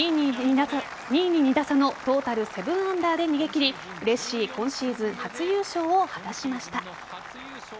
２位に２打差のトータル７アンダーで逃げ切りうれしい今シーズン初優勝を果たしました。